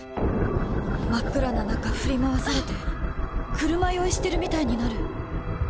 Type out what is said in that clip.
真っ暗な中振り回されて車酔いしてるみたいになる！